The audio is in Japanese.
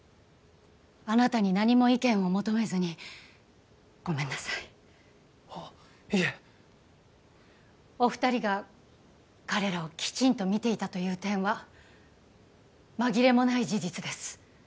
あなたに何も意見を求めずにごめんなさいあいえお二人が彼らをきちんと見ていたという点は紛れもない事実です